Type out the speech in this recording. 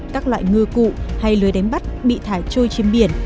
các loại ngư cụ hay lưới đánh bắt bị thải trôi trên biển